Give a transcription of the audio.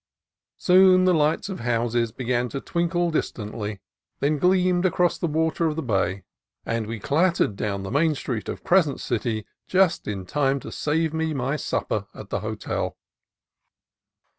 Soon the lights of houses began to twinkle distantly, then gleamed across the water of the bay; and we clattered down the main street of Crescent City just in time to save me my supper at the hotel.